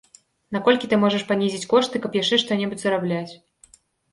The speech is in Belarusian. Наколькі ты можаш панізіць кошты, каб яшчэ што-небудзь зарабляць.